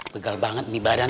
pegal banget nih badan